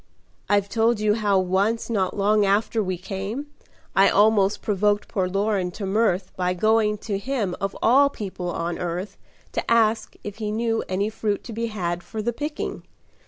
"I've told you how once not long after we came, I almost provoked poor Loren to mirth By going to him of all people on earth To ask if he knew any fruit to be had For the picking.